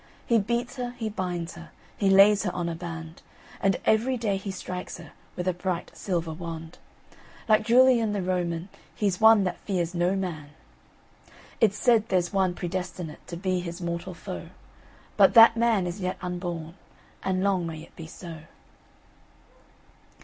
He beats her, he binds her, He lays her on a band; And every day he strikes her With a bright silver wand. Like Julian the Roman, He's one that fears no man. It's said there's one predestinate To be his mortal foe; But that man is yet unborn, And long may it be so."